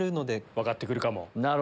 分かってくるかも。